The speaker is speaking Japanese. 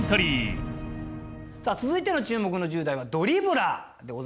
続いての注目の１０代はドリブラーでございますよ。